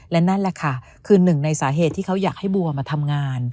และนั่นแหละค่ะคือหนึ่งในสาเหตุที่เขาอยากให้บัวมาทำงาน